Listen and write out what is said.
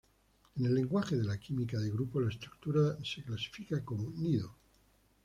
En el lenguaje de la química de grupo, la estructura se clasifica como "nido".